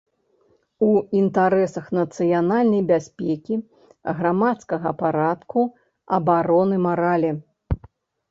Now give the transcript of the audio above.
У інтарэсах нацыянальнай бяспекі, грамадскага парадку, абароны маралі.